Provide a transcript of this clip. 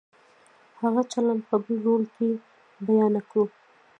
هغه چلند په بل رول کې بیا نه کوو.